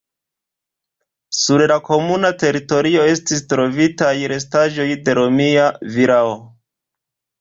Sur la komunuma teritorio estis trovitaj restaĵoj de romia vilao.